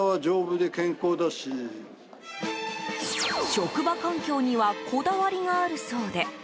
職場環境にはこだわりがあるそうで。